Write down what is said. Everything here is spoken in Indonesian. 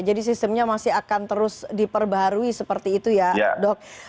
jadi sistemnya masih akan terus diperbarui seperti itu ya dok